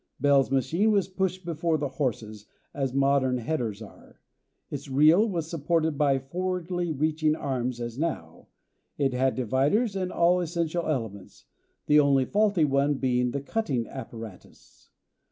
Bell's machine was pushed before the horses, as modern headers are. Its reel was supported by forwardly reaching arms as now; it had dividers and all essential elements, the only faulty one being the cutting apparatus.